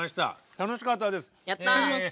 楽しかったです。